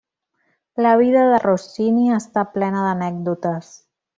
La vida de Rossini està plena d'anècdotes.